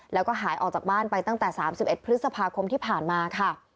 แล้วก็หายออกจากบ้านไปตั้งแต่๓๑พฤษภาคมที่ผ่านมาค่ะ